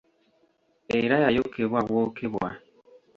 Era yayokebwa bwokebwa.